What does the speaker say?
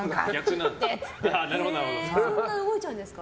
そんな動いちゃうんですか？